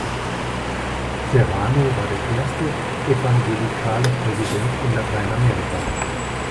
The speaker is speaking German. Serrano war der erste evangelikale Präsident in Lateinamerika.